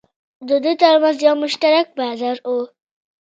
د دوی ترمنځ یو مشترک بازار و.